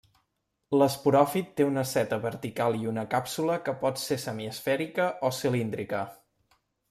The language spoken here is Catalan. L'esporòfit té una seta vertical i una càpsula que pot ser semiesfèrica o cilíndrica.